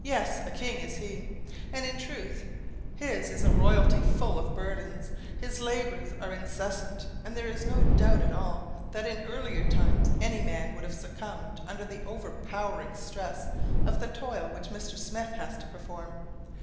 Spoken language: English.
Yes, a king is he. And in truth his is a royalty full of burdens. His labors are incessant, and there is no doubt at all that in earlier times any man would have succumbed under the overpowering stress of the toil which Mr. Smith has to perform.